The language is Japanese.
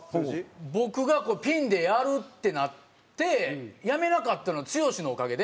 僕がピンでやるってなって辞めなかったのは剛のおかげで。